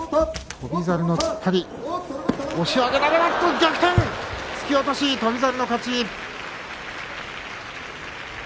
逆転、突き落とし翔猿の勝ち。